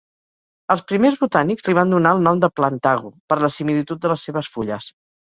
Els primers botànics li van donar el nom de "Plantago" per la similitud de les seves fulles.